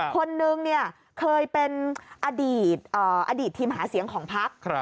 คนนึงเคยเป็นอดีตทีมหาเสียงของพรรค